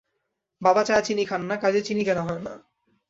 বাবা চায়ে চিনি খান না, কাজেই চিনি কেনা হয় না।